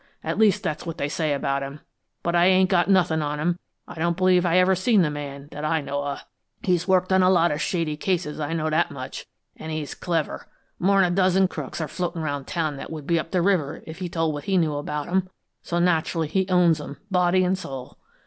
At least, that's what they say about him, but I ain't got nothin' on him; I don't believe I ever seen the man, that I know of. He's worked on a lot of shady cases; I know that much, an' he's clever. More'n a dozen crooks are floatin' around town that would be up the river if he told what he knew about 'em; so naturally, he owns 'em, body an' soul.